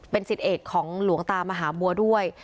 สิทธิเอกของหลวงตามหาบัวด้วย